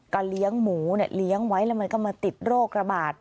ก็เลี้ยงหมูเนี่ยเลี้ยงไว้แล้วมันก็มาติดโรคระบาด